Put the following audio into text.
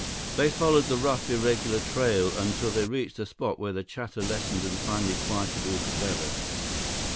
They followed the rough, irregular trail until they reached a spot where the chatter lessened and finally quieted altogether.